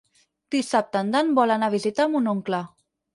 Dissabte en Dan vol anar a visitar mon oncle.